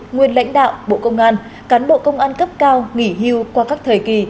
nguyên lãnh đạo bộ công an cán bộ công an cấp cao nghỉ hưu qua các thời kỳ